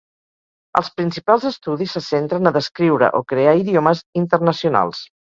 Els principals estudis se centren a descriure o crear idiomes internacionals.